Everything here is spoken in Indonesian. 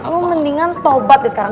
lo mendingan tobat deh sekarang